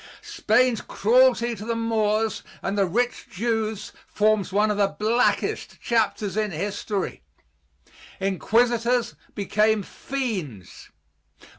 Spain's cruelty to the Moors and the rich Jews forms one of the blackest chapters in history. Inquisitors became fiends.